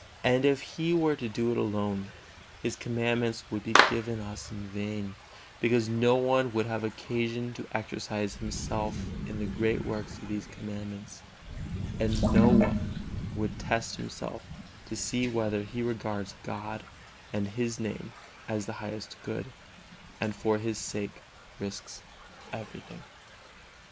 And if He were to do it alone, His Commandments would be given us in vain, because no one would have occasion to exercise himself in the great works of these Commandments, and no one would test himself to see whether he regards God and His Name as the highest good, and for His sake risks everything.